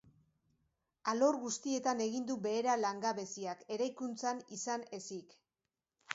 Alor guztietan egin du behera langabeziak, eraikuntzan izan ezik.